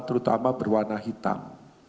terutama berwarna hitam